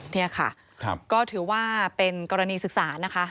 นี่ค่ะก็ถือว่าเป็นกรณีศึกษานะคะ